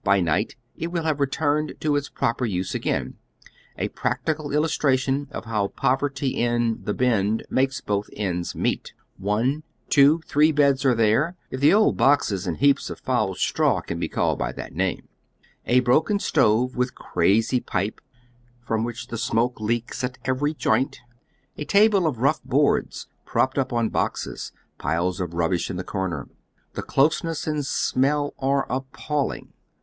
By night it will have returned to its propel use again, a practical illustration of how povei ty in " the Bend" makes both ends meet. One, two, three beds ai'e there, if the old boxes and heaps of foul straw can be called by that name ; a broken stove with crazy pipe from which the smoke leaks at every joint, a table of rough boards propped up on boxes, piles of rubbish in the corner. ,y Google THE BEND. 65 The closeness and emell are appalling.